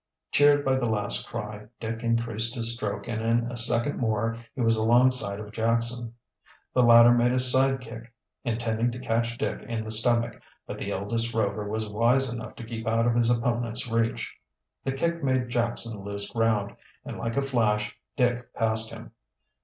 Cheered by the last cry Dick increased his stroke and in a second more he was alongside of Jackson. The latter made a side kick, intending to catch Dick in the stomach, but the eldest Rover was wise enough to keep out of his opponent's reach. The kick made Jackson lose ground, and like a flash Dick passed him.